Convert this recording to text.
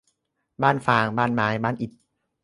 บ้านฟาง บ้านไม้ บ้านอิฐ